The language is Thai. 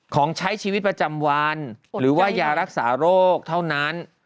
ของใช้ชีวิตประจำวันหรือว่ายารักษาโรคเท่านั้น